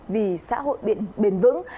vì xã hội biển vững